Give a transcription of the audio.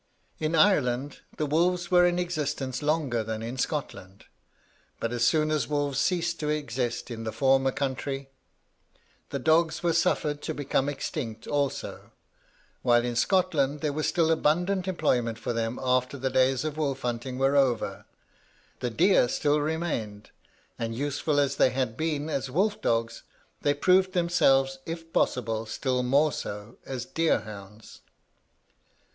"In Ireland the wolves were in existence longer than in Scotland, but as soon as wolves ceased to exist in the former country, the dogs were suffered to become extinct also, while in Scotland there was still abundant employment for them after the days of wolf hunting were over the deer still remained; and useful as they had been as wolf dogs, they proved themselves, if possible, still more so as deer hounds.